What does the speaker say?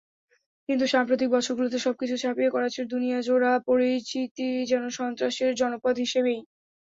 কিন্তু সাম্প্রতিক বছরগুলোতে সবকিছু ছাপিয়ে করাচির দুনিয়াজোড়া পরিচিতি যেন সন্ত্রাসের জনপদ হিসেবেই।